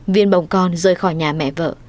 viên bồng con rơi khỏi nhà mẹ vợ